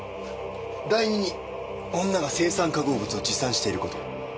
第二に女が青酸化合物を持参していること。